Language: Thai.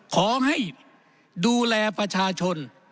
ขอให้ดูแลประชาชน